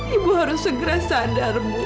ibu harus segera sadar